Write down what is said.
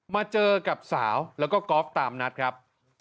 มาเจอกับสาวแล้วก็กอล์ฟตามนัดครับ